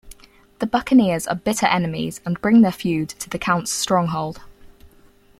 The buccaneers are bitter enemies and bring their feud to the Count's stronghold.